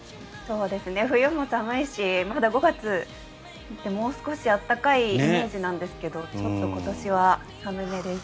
冬も寒いしまだ５月ってもう少し暖かいイメージなんですがちょっと今年は寒めです。